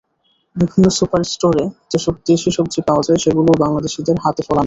বিভিন্ন সুপার স্টোরে যেসব দেশি সবজি পাওয়া যায়, সেগুলোও বাংলাদেশিদের হাতে ফলানো।